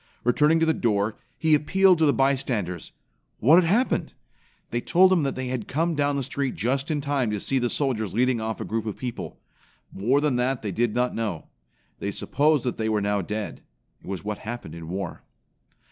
Returning to the door, he appealed to the bystanders. What had happened? They told him that they had come down the street just in time to see the soldiers leading off a group of people. More than that they did not know. They supposed that they were now dead. It was what happened in war.